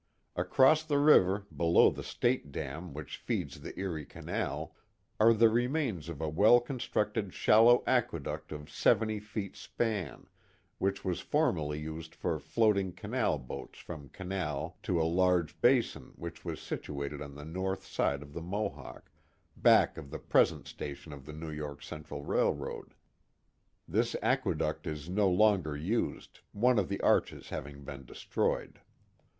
Across the river, below the State dam which feeds the Erie Canal, are the remains of a well constructed shallow aqueduct of seventy feet span, which was formerly used for floating canal boats from the canal to a large basin which was situated on the noith side of the Mohawk, back of the present station of the New York Central Railroad. This aqueduct is no longer used, one of the arches having been destroyed.